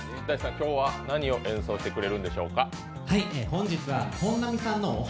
今日は何を演奏してくれるんでしょうか？